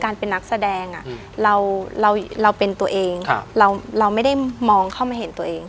เป็นนักแสดงเราเป็นตัวเองเราไม่ได้มองเข้ามาเห็นตัวเอง